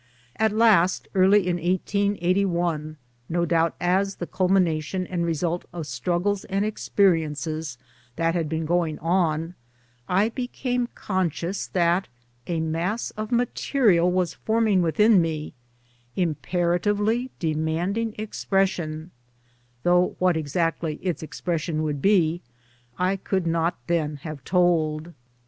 At last early in 1881, no doubt as the culmination and result of struggles and experiences that had been going on, I became conscious that a mass of material was forming within me, imperatively demanding expression — though what exactly its expression would be I could not then have told.